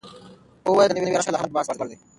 ده وویل، د نوي رنګ کشف لا هم بحثوړ دی.